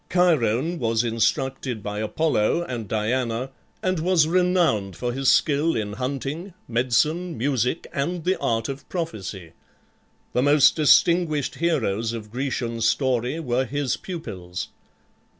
Chiron was instructed by Apollo and Diana, and was renowned for his skill in hunting, medicine, music, and the art of prophecy. The most distinguished heroes of Grecian story were his pupils.